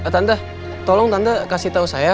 tante tolong tante kasih tau saya